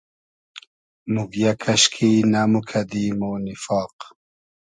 موگیۂ کئشکی نئموکئدی مۉ نیفاق